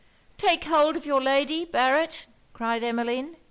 'Take hold of your lady, Barret,' cried Emmeline.